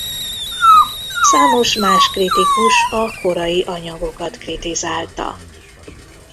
Számos más kritikus a korai anyagokat kritizálta.